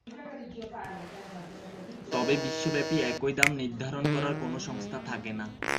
তবে বিশ্বব্যাপী একই দাম নির্ধারণ করার কোন সংস্থা থাকে না।